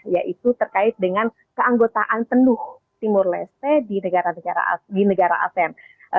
yaitu terkait dengan keanggotaan penuh timur leste di negara asean